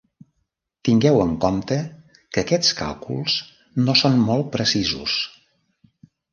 Tingueu en compte que aquests càlculs no són molt precisos.